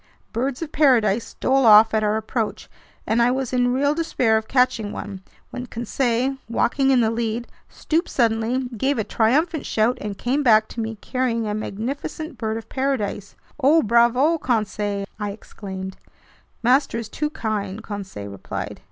Birds of paradise stole off at our approach, and I was in real despair of catching one when Conseil, walking in the lead, stooped suddenly, gave a triumphant shout, and came back to me, carrying a magnificent bird of paradise. "Oh bravo, Conseil!" I exclaimed. "Master is too kind," Conseil replied.